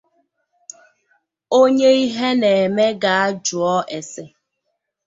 Onye ihe na-eme gaa jụọ èsè